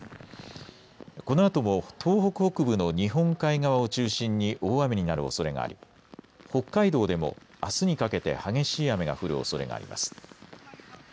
このあとも東北北部の日本海側を中心に大雨になるおそれがあり北海道でもあすにかけて激しい雨が降るおそれがあります。